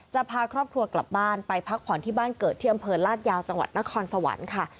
จะพาครอบครัวกลับบ้านไปพักผ่อนที่บ้านเกิดที่อำเภอลาดยาวจังหวัดนครสวรรค์ค่ะ